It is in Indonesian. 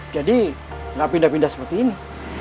jadi gak pindah pindah seperti ini